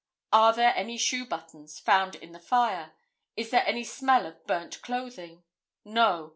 Are there any shoe buttons found in the fire? Is there any smell of burnt clothing? No.